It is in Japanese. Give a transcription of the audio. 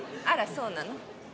あらそうなの？